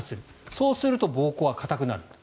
そうすると膀胱が硬くなる。